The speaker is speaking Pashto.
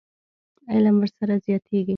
علم ورسره زیاتېږي.